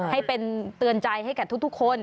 ให้เป็นเตือนใจให้กับทุกคน